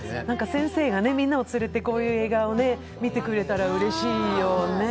先生がみんなを連れてこういう映画を見てくれたらうれしいよね。